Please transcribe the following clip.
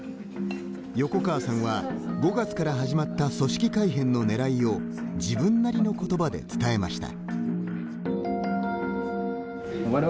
横川さんは５月から始まった組織改変のねらいを自分なりのことばで伝えました。